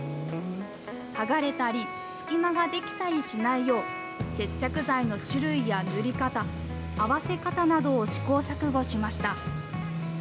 剥がれたり、隙間が出来たりしないよう、接着剤の種類や塗り方、合わせ方などを試行錯誤しました。